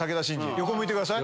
横向いてください。